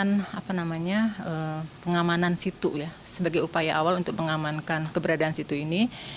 nah itu kita memerlukan pengamanan situ sebagai upaya awal untuk mengamankan keberadaan situ ini